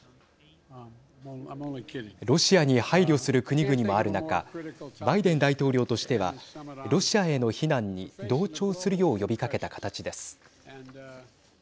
ロシアに配慮する国々もある中バイデン大統領としてはロシアへの非難に同調するよう呼びかけた形です。